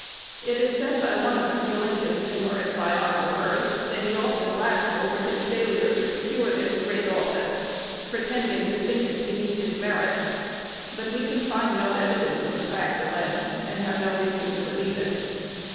It is said by one of Mr. Lincoln's numerous biographers, that he often laughed over his failure to secure this great office, pretending to think it beneath his merits; but we can find no evidence of the fact alleged, and have no reason to believe it.